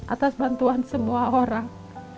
atas bantuan semua orang